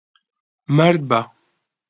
مەرد بە.